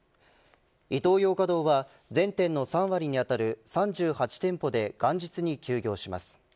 イトーヨーカドーは全店の３割にあたる３８店舗で元日に休業します。